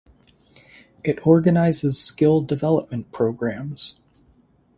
It organises skill development programmes.